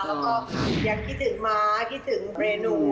แล้วก็ยังคิดถึงม้าคิดถึงเมนู